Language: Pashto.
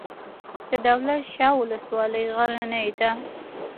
د دولت شاه ولسوالۍ غرنۍ ده